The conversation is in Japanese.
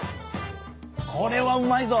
これはうまいぞ！